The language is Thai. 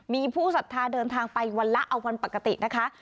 มีผู้สัทธาเดินทางไปวันละเอาวันปกตินะคะ